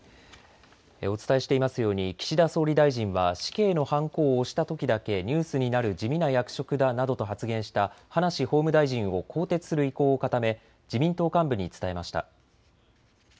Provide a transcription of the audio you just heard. お伝えしていますように岸田総理大臣は死刑のはんこを押したときだけニュースになる地味な役職だなどと発言した葉梨法務大臣を更迭する意向を固め自民党幹部に伝えました。